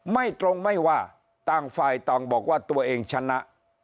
ไม่ตรงไม่ว่าต่างฝ่ายต่างบอกว่าตัวเองชนะ